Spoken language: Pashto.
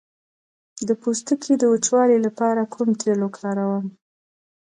د پوستکي د وچوالي لپاره کوم تېل وکاروم؟